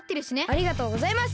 ありがとうございます！